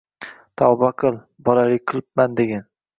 Tovba qil, bolalik qilibman degin